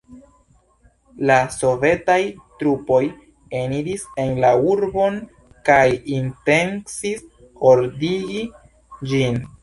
La sovetaj trupoj eniris en la urbon kaj intencis ordigi ĝin.